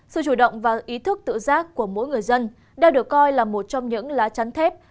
sự chủ động và ý thức tự giác của mỗi người dân đang được coi là một trong những lá chắn thép